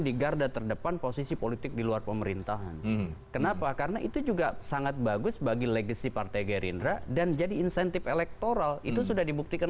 digarda terdepan posisi politik di luar pemerintahan kenapa karena itu juga sangat bagus bagi para anggota strategi soal dan sevadaan saya juga sangat senang bahwa kita berada di bagian iklim dengan kehidupan